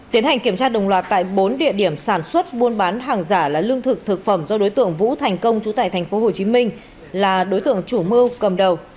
tiến hành kiểm tra đồng loạt tại bốn địa điểm sản xuất buôn bán hàng giả là lương thực thực phẩm do đối tượng vũ thành công chủ tại tp hcm là đối tượng chủ mưu cầm đầu